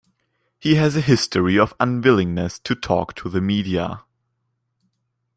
He has a history of unwillingness to talk to the media.